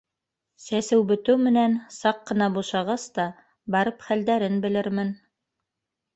Сәсеү бөтөү менән, саҡ ҡына бушағас та, барып хәлдәрен белермен.